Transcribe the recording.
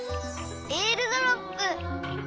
えーるドロップ！